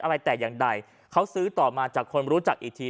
อะไรแต่อย่างใดเขาซื้อต่อมาจากคนรู้จักอีกที